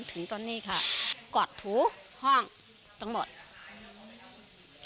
ถึงตอนนี้ค่ะกอดถูห้องทั้งหมด